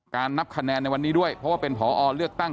นับคะแนนในวันนี้ด้วยเพราะว่าเป็นผอเลือกตั้ง